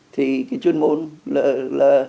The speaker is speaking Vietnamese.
thì cái chuyên môn là